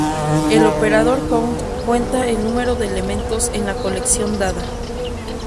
El operador Count cuenta el número de elementos en la colección dada.